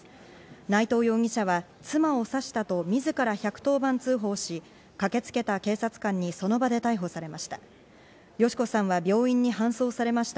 内藤容疑者は妻を刺したと自ら１１０番通報し、駆けつけた警察官にその場で逮捕されました。